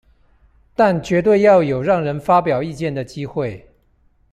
但絕對要有讓人發表意見的機會